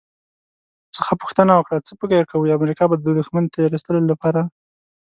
څخه پوښتنه وکړه «څه فکر کوئ، امریکا به د دښمن د تیرایستلو لپاره»